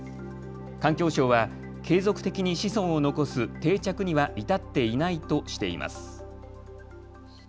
環境省は継続的に子孫を残す定着には至っていないとしています。